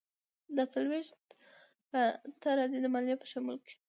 دا څلویښت ته راځي، د مالیې په شمول.